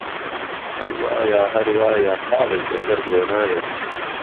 ههر وایه ههر وایه خاڵێک له سهر گۆنایه